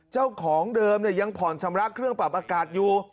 เจ้าของเดิมยังผ่อนชำระเครื่องปรับอากาศอยู่